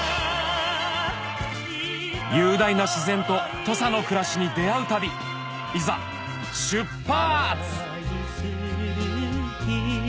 雄大な自然と土佐の暮らしに出合う旅いざ出発！